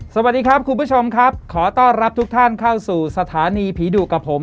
สวัสดีครับคุณผู้ชมครับขอต้อนรับทุกท่านเข้าสู่สถานีผีดุกับผม